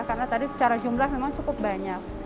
karena tadi secara jumlah memang cukup banyak